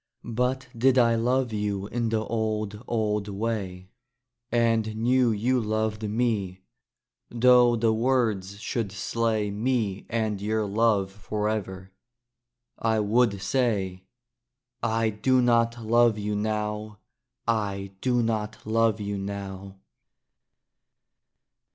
But did I love you in the old, old way, And knew you loved me 'though the words should slay Me and your love forever, I would say, "I do not love you now! I do not love you now!"